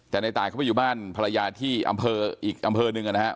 แต่ในตายเขาไปอยู่บ้านภรรยาที่อำเภออีกอำเภอหนึ่งนะครับ